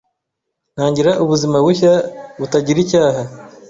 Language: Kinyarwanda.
ntangira ubuzima bushya butagir icyaha